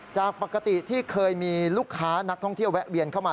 จากปกติที่เคยมีลูกค้านักท่องเที่ยวแวะเวียนเข้ามา